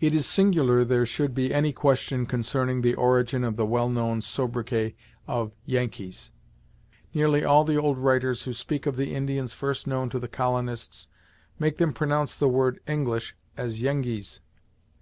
[It is singular there should be any question concerning the origin of the well known sobriquet of "Yankees." Nearly all the old writers who speak of the Indians first known to the colonists make them pronounce the word "English" as "Yengeese."